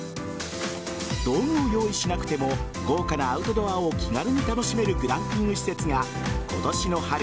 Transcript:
道具を用意しなくても豪華なアウトドアを気軽に楽しめるグランピング施設が今年の春